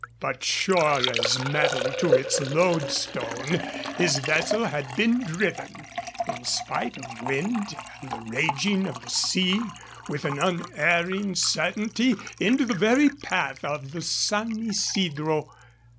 But sure as metal to its loadstone his vessel had been driven, in spite of wind and the raging of the sea, with an unerring certainty into the very path of the San Isidro.